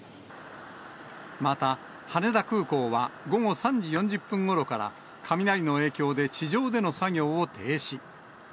また、羽田空港は、午後３時４０分ごろから、雷の影響で地上での作業を停止。